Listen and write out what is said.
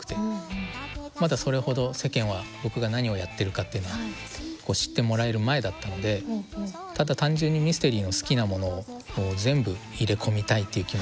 まだそれほど世間は僕が何をやってるかっていうのをこう知ってもらえる前だったのでただ単純にミステリーの好きなものを全部入れ込みたいっていう気持ちで作ってて。